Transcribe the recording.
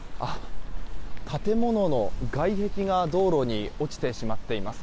建物の外壁が道路に落ちてしまっています。